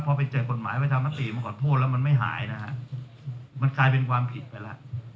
พอไปเจอกฎหมายประชามติมาขอโทษแล้วมันไม่หายนะฮะมันกลายเป็นความผิดไปแล้ว